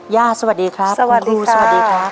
ย่าสวัสดีครับคุณครูสวัสดีครับ